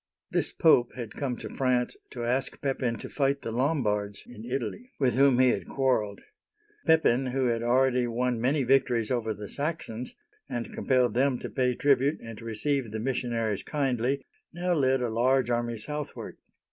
This Pope had come to France to ask Pepin to fight the Lom'bards in Italy, with whom he had quarreled. Pepin, who had already won many victories over the Saxons, and compelled them to pay tribute and to receive the mis sionaries kindly, now led a large army southward.